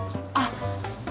あっ。